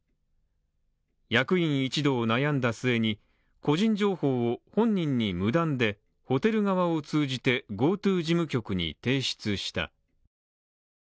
役員一同悩んだ末に個人情報を本人に無断でホテル側を通じて、ＧｏＴｏ事務局に提出した。